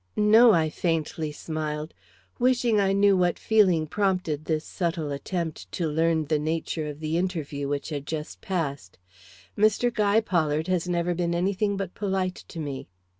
"No," I faintly smiled, wishing I knew what feeling prompted this subtle attempt to learn the nature of the interview which had just passed. "Mr. Guy Pollard has never been any thing but polite to me."